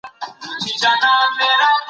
ایا وچکالی ټول هېواد ځپلی دی؟